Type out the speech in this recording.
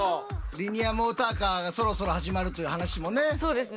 リニアモーターカーがそろそろ始まるという話もねございますから。